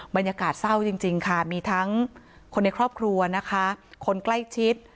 บรรยากาศเศร้าจริงค่ะมีทั้งคนในครอบครัวนะคะคนใกล้ชิด